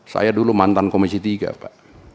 saya dulu mantan komisi tiga pak